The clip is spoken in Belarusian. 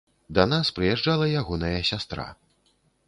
Да нас прыязджала ягоная сястра.